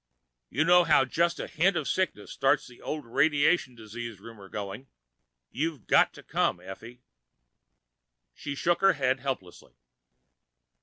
You know how just a hint of sickness starts the old radiation disease rumor going. You've got to come, Effie." She shook her head helplessly.